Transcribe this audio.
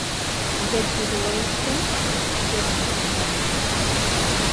Del sudoeste del Mediterráneo.